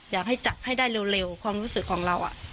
อยากให้จับให้ได้เร็วความรู้สึกของเรา